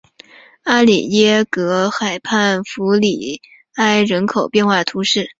阿里耶格河畔弗尔里埃人口变化图示